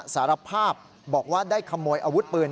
สารภาพบอกว่าได้ขโมยอาวุธปืน